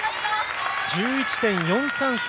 １１．４３３